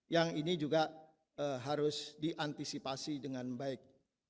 yang ini juga harus diantisipasi dengan baik